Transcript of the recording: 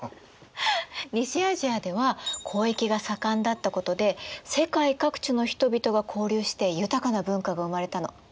西アジアでは交易が盛んだったことで世界各地の人々が交流して豊かな文化が生まれたの。